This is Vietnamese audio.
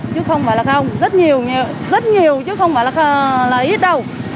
chứ không phải là cao rất nhiều rất nhiều chứ không phải là ít đâu